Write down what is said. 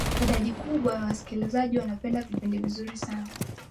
idadi kubwa ya wasikilizaji wanapenda vipindi vizuri sana